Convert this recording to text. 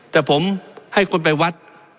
แต่ผมให้คนไปวัด